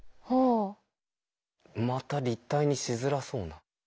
また立体にしづらそうな。